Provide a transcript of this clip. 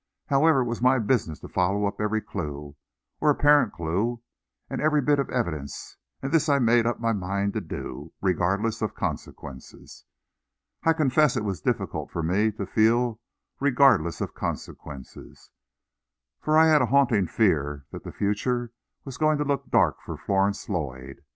However, it was my business to follow up every clue, or apparent clue, and every bit of evidence, and this I made up my mind to do, regardless of consequences. I confess it was difficult for me to feel regardless of consequences, for I had a haunting fear that the future was going to look dark for Florence Lloyd.